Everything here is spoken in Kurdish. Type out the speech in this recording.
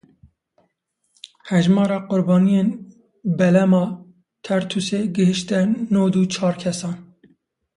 Hejmara qurbaniyên belema Tertûsê gehişte nod û çar kesan.